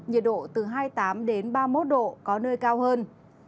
nhiệt độ từ hai mươi tám ba mươi một độ có nơi cao hơn